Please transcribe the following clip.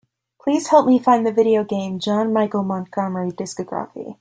Please help me find the video game John Michael Montgomery discography.